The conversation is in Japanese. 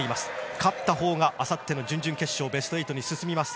勝ったほうがあさっての準々決勝ベスト８に進みます。